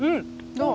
どう？